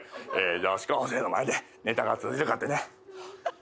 「女子高生の前でネタが通じるかってね」